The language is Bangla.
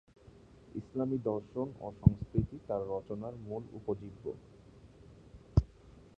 ইসলামি দর্শন ও সংস্কৃতি তার রচনার মূল উপজীব্য।